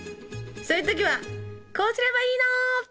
そういう時はこうすればいいの！